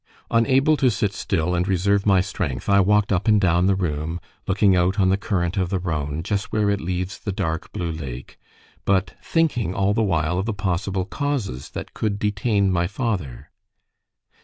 Unable to sit still and reserve my strength, I walked up and down the room, looking out on the current of the Rhone, just where it leaves the dark blue lake; but thinking all the while of the possible causes that could detain my father.